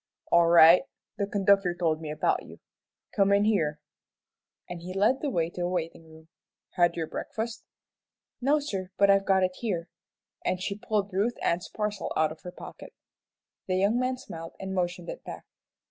"All right; the conductor told me about you. Come in here," and he led the way to a waiting room. "Had your breakfast?" "No, sir, but I've got it here," and she pulled Ruth Ann's parcel out of her pocket. The young man smiled and motioned it back.